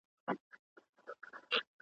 واکمنانو د خلکو ستونزو ته پام نه کاوه.